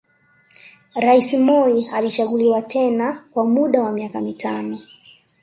Rais Moi alichaguliwa tena kwa muda wa miaka mitano